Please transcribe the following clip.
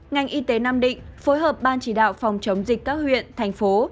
ngành y tế nam định phối hợp ban chỉ đạo phòng chống dịch các huyện thành phố